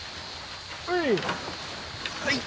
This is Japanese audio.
はい。